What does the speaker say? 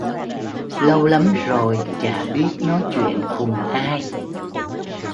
Lâu lắm rồi Chả biết nói chuyện cùng ai